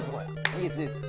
いいですいいです。